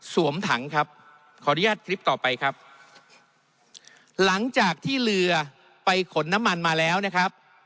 ถังครับขออนุญาตคลิปต่อไปครับหลังจากที่เรือไปขนน้ำมันมาแล้วนะครับ